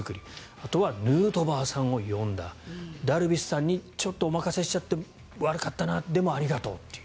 あとはヌートバーさんを呼んだダルビッシュさんにちょっとお任せしちゃって悪かったなでも、ありがとうという。